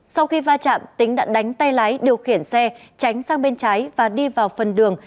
sau khi va chạm tính đã đánh tay lái điều khiển xe tránh sang bên trái và đi vào phần đường